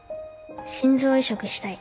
心臓移植したい。